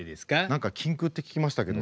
何か禁句って聞きましたけど。